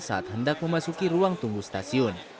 saat hendak memasuki ruang tunggu stasiun